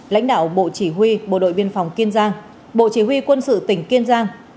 lãnh đạo bộ chỉ huy bộ đội biên phòng kiên giang bộ chỉ huy quân sự tỉnh kiên giang